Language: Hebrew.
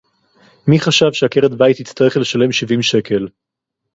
מי חשב שעקרת בית תצטרך לשלם שבעים שקל